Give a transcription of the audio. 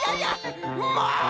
もう！